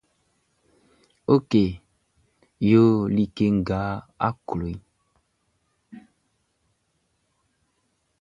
Ok yo like nʼga a klo.